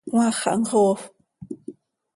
Cmaax xaa mxoofp.